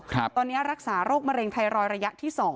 ตอนนี้รักษาโรคมะเร็งไทรเรายะ